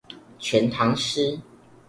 全唐詩